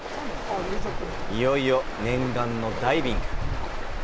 いよいよ念願のダイビング！